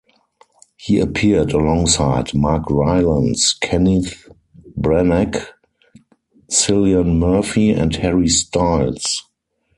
He appeared alongside Mark Rylance, Kenneth Branagh, Cillian Murphy and Harry Styles.